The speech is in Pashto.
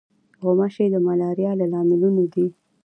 غوماشې د ملاریا له لاملونو دي.